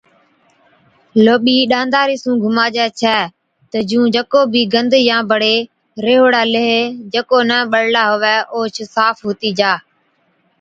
لوٻِي ڏاندارِي سُون گھُماجَي ڇَي تہ جُون جڪو بِي گند يان بڙي ريهوڙا ليه جڪو نہ ٻڙلا هُوَي اوهچ صاف هُتِي جا۔